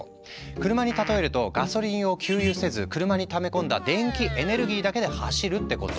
車に例えるとガソリンを給油せず車にため込んだ電気エネルギーだけで走るってこと。